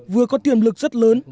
vừa có tiềm lực rất lớn